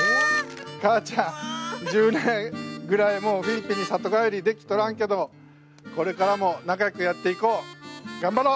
母ちゃん、１０年ぐらい里帰りできとらんけどこれからも仲よくやっていこう、頑張ろう。